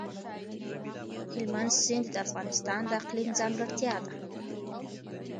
هلمند سیند د افغانستان د اقلیم ځانګړتیا ده.